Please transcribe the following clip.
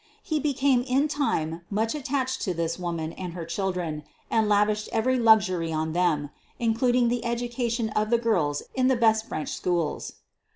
He became in time much attached to this woman and her chil dren, and lavished every luxury on them, including the education of the girls in the best French schools.